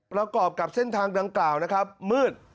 ประกอบกับเส้นทางดังกล่าวนะครับมืด